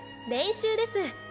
練習です。